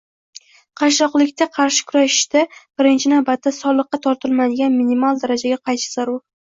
Qashshoqlikka qarshi kurashda, birinchi navbatda, soliqqa tortilmaydigan minimal darajaga qaytish zarur